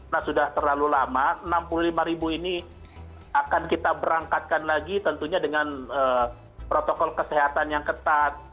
nah sudah terlalu lama enam puluh lima ribu ini akan kita berangkatkan lagi tentunya dengan protokol kesehatan yang ketat